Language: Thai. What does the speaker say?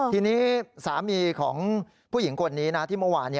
ทีนี้สามีของผู้หญิงคนนี้นะที่เมื่อวาน